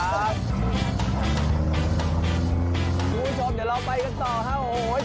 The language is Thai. คุณผู้ชมเดี๋ยวเราไปอีกก็ต่อค่ะ